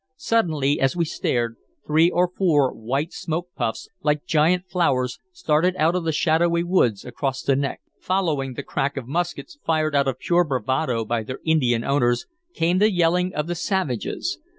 Suddenly, as we stared, three or four white smoke puffs, like giant flowers, started out of the shadowy woods across the neck. Following the crack of the muskets fired out of pure bravado by their Indian owners came the yelling of the savages.